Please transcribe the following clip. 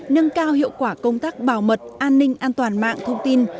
nâng cao hiệu quả công tác bảo mật an ninh an toàn mạng thông tin